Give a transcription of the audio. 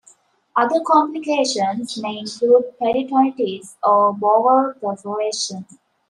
Other complications may include peritonitis or bowel perforation.